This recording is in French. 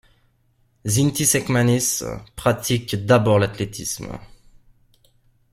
Zintis Ekmanis pratique d'abord l'athlétisme.